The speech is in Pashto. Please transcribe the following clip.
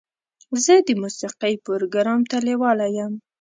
زه د موسیقۍ پروګرام ته لیواله یم.